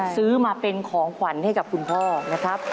ซื้อมาเป็นของขวัญให้กับคุณพ่อนะครับ